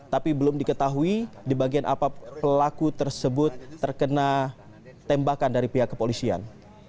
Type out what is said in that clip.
tapi belum diketahui di bagian apa pelaku tersebut terkena tembakan dari pihak kepolisian